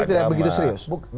tapi tidak begitu serius